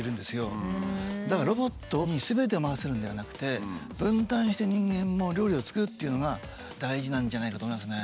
だからロボットにすべてを任せるのではなくて分担して人間も料理を作るっていうのが大事なんじゃないかと思いますね。